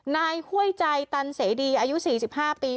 ห้วยใจตันเสดีอายุ๔๕ปี